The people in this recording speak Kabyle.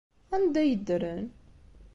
Anda ay ddren?